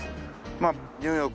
まあニューヨーク。